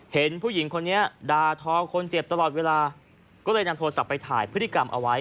เห็นผู้หญิงคนนี้ด่าทอคนเจ็บตลอดเวลาก็เลยนำโทรศัพท์ไปถ่ายพฤติกรรมเอาไว้